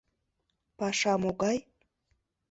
Паша могай?